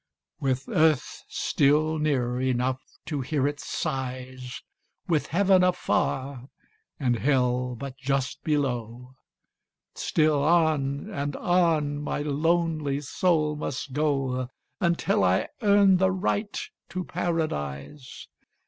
With earth still near enough to hear its sighs, With heaven afar and hell but just below, Still on and on my lonely soul must go Until I earn the right to Paradise.